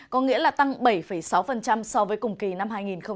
có nghĩa là tăng bảy sáu so với cùng kỳ năm hai nghìn một mươi tám